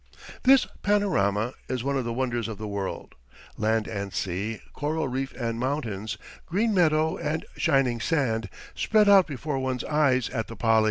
This panorama is one of the wonders of the world; land and sea, coral reef and mountains, green meadow and shining sand, spread out before one's eyes at the Pali.